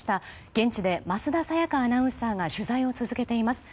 現地で桝田沙也香アナウンサーが取材を続けています。